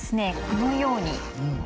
このように。